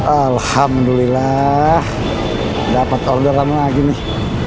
alhamdulillah dapat order kamu lagi nih